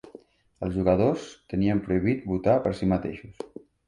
Els jugadors tenien prohibit votar per a si mateixos.